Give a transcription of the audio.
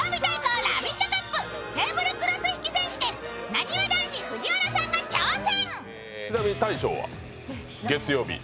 なにわ男子・藤原さんが挑戦。